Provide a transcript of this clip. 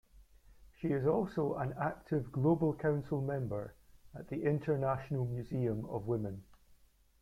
She is also an active Global Council Member at the International Museum of Women.